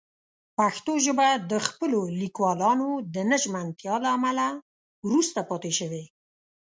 پښتو ژبه د خپلو لیکوالانو د نه ژمنتیا له امله وروسته پاتې شوې.